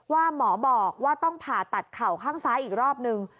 ว่าหมอบอกว่าต้องผ่าตัดเข่าข้างซ้ายอีกรอบนึง